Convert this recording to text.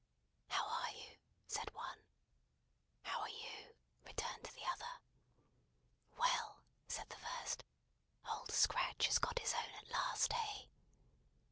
"How are you?" said one. "How are you?" returned the other. "Well!" said the first. "Old Scratch has got his own at last, hey?"